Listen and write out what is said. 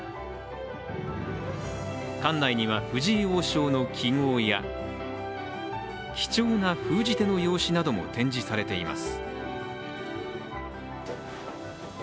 館内には、藤井王将の揮亳や貴重な封じ手の用紙なども展示されています。